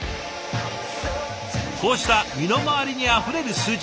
こうした身の回りにあふれる数字。